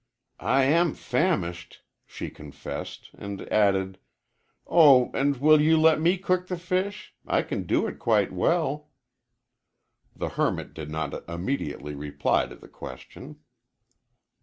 "I am famished," she confessed, and added, "oh, and will you let me cook the fish? I can do it quite well." The hermit did not immediately reply to the question.